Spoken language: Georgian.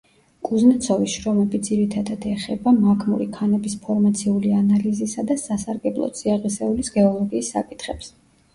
კუზნეცოვის შრომები ძირითადად ეხება მაგმური ქანების ფორმაციული ანალიზისა და სასარგებლო წიაღისეულის გეოლოგიის საკითხებს.